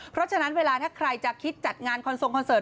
เพราะฉะนั้นเวลาถ้าใครจะคิดจัดงานคอนทรงคอนเสิร์